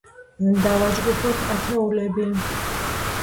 დავაჯგუფოთ ათეულები.